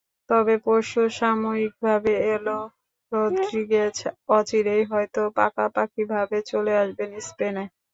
তবে পরশু সাময়িকভাবে এলেও রদ্রিগেজ অচিরেই হয়তো পাকাপাকিভাবে চলে আসবেন স্পেনে।